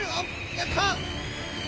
やった！